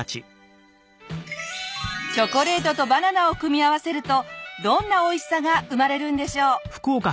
チョコレートとバナナを組み合わせるとどんなおいしさが生まれるんでしょう？